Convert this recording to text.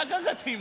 今。